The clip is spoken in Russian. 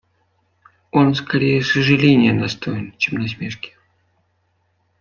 Он скорее сожаления достоин, чем насмешки.